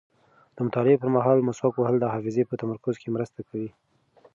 د مطالعې پر مهال مسواک وهل د حافظې په تمرکز کې مرسته کوي.